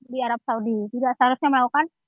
di arab saudi juga seharusnya melakukan